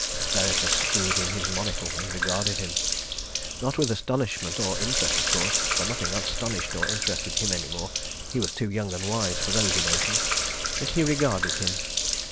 ..." Vereker screwed in his monocle and regarded him. Not with astonishment or interest, of course, for nothing astonished or interested him any more. He was too young and wise for those emotions. But he regarded him.